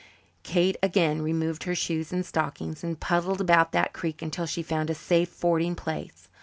Kate again removed her shoes and stockings and puddled about that creek until she found a safe fording place.